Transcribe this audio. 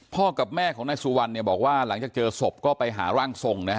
กับแม่ของนายสุวรรณเนี่ยบอกว่าหลังจากเจอศพก็ไปหาร่างทรงนะฮะ